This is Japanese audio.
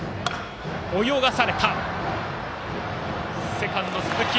セカンド、鈴木。